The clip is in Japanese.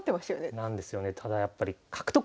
なんですよね。